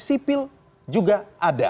sipil juga ada